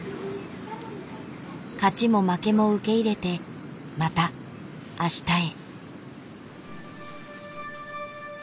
勝ちも負けも受け入れてまたあしたへ。